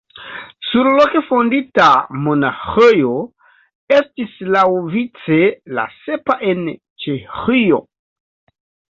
Surloke fondita monaĥejo estis laŭvice la sepa en Ĉeĥio.